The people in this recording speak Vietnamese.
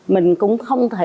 mình cũng không thể nào